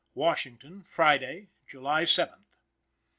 Washington, Friday, July 7th.